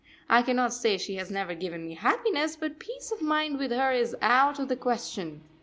I cannot say she has never given me happiness, but peace of mind with her is out of the question.